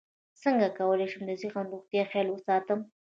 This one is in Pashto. څنګه کولی شم د ذهني روغتیا خیال وساتم